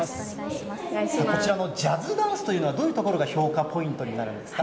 こちらのジャズダンスというのは、どういうところが評価ポイントになるんですか。